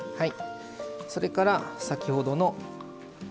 それから先ほどの。